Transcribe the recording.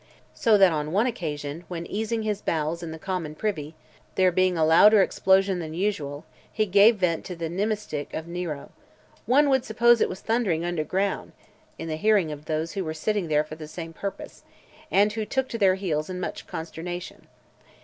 So that on one occasion, when easing his bowels in the common privy, there being a louder explosion than usual, he gave vent to the nemistych of Nero: "One would suppose it was thundering under ground," in the hearing of those who were sitting there for the same purpose, and who took to their heels in much consternation .